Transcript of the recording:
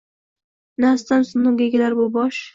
Na sitam-sinovga egilar bu bosh